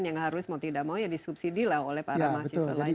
yang harus mau tidak mau ya disubsidi oleh para mahasiswa lain yang lebih mampu